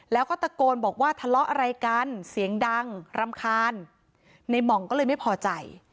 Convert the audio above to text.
แล้วก็ตะโกนบอกว่าทะเลาะอะไรกันเสียงดังรำคาญในหม่องก็เลยไม่พอใจ